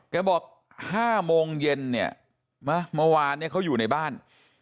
บอก๕โมงเย็นเนี่ยเมื่อวานเนี่ยเขาอยู่ในบ้าน